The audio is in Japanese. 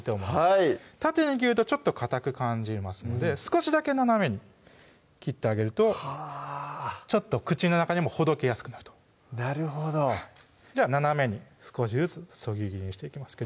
はい縦に切るとかたく感じますので少しだけ斜めに切ってあげるとちょっと口の中でもほどけやすくなるとなるほどじゃあ斜めに少しずつ削ぎ切りにしていきます